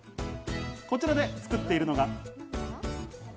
こちらで作っているのが。